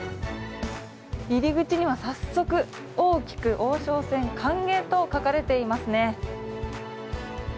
入り口には早速、大きく「王将戦歓迎」と書かれていますね。